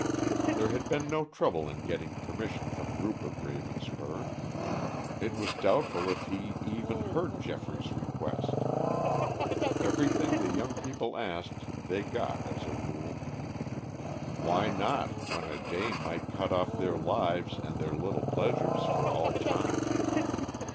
There had been no trouble in getting permission from Rupert Ravenspur. It was doubtful if he even heard Geoffrey's request. Everything the young people asked they got, as a rule. Why not, when a day might cut off their lives and their little pleasures for all time!